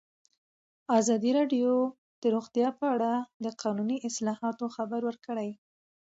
ازادي راډیو د روغتیا په اړه د قانوني اصلاحاتو خبر ورکړی.